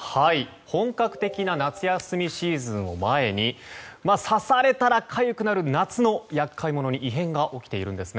本格的な夏休みシーズンを前に刺されたらかゆくなる夏の厄介者に異変が起きているんです。